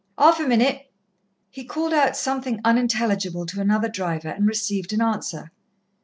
"'Alf a minute." He called out something unintelligible to another driver, and received an answer.